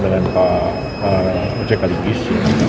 dengan pak ojeka likis